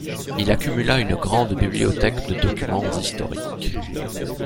Il accumula une grande bibliothèque de documents historiques.